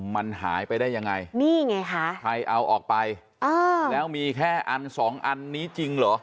มันหายไปได้ยังไงนี่ไงคะใครเอาออกไปอ่าแล้วมีแค่อันสองอันนี้จริงเหรอ